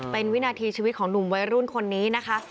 เป็นวินาทีชีวิตของหนุ่มวัยรุ่นคนนี้นะคะ